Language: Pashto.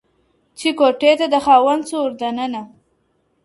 چي کوټې ته د خاوند سو ور دننه!!